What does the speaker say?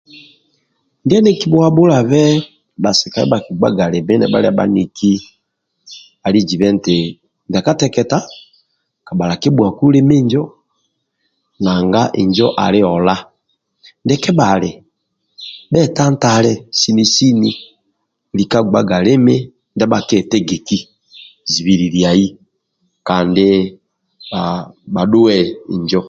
Ndie nikibhuhabhulabe bhasika ndibha bhakibhuagaku limi nibhalia bhaniki ali ziba eti ndia kateketa kabhalakibhuaku limi injo naga injo ali ola ndia kebhali bhetantale sini sini lika gbaga limi ndia bhaketegeki zibililiai kandi bhadhue injo